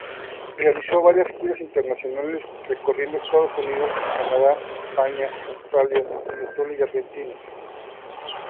Realizó varias giras internacionales, recorriendo Estados Unidos, Canadá, España, Australia, Venezuela y Argentina.